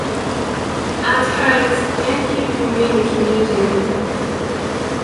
At heart, Jenkins remained a Keynesian.